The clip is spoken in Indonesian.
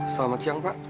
selamat siang pak